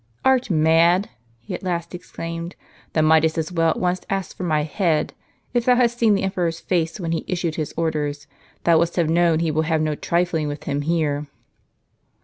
"Art mad?" he at last exclaimed; "thou mightest as well at once ask for my head. If thou hadst seen the emperor's face, when he issued his orders, thou wouldst have known he will have no trifling with him here."